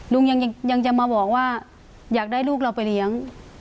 ลุงยังจะมาบอกว่าอยากได้ลูกเราไปเลี้ยง